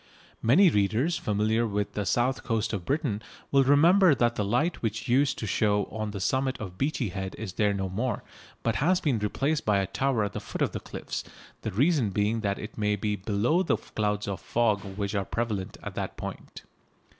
Many readers familiar with the south coast of Britain will remember that the light which used to show on the summit of Beachy Head is there no more, but has been replaced by a tower at the foot of the cliffs, the reason being that it may be below the clouds of fog which are prevalent at that point.